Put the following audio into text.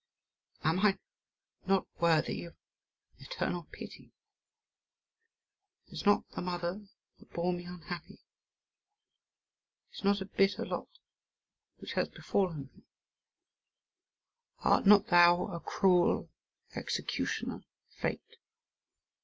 "Am not I worthy of eternal pity? Is not the mother that bore me unhappy? Is it not a bitter lot which has befallen me? Art not thou a cruel executioner, fate?